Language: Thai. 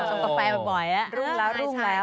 เออชงกาแฟบ่อยรุ่นแล้ว